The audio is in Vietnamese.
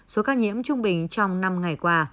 số ca nhiễm trung bình trong năm ngày qua